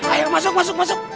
ayo masuk masuk masuk